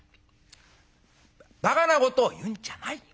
「ばかなことを言うんじゃないよ。